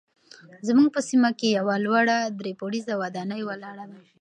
زموږ په سیمه کې یوه لوړه درې پوړیزه ودانۍ ولاړه ده.